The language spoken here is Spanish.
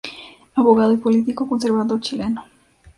Abogado y político conservador chileno.